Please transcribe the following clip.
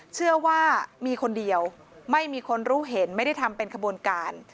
เชื่อว่ามีคนเดียวไม่มีคนรู้เห็นไม่ได้ทำเป็นขบวนการ